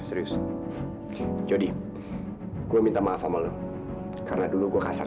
terus kau winona juga ada di sini sih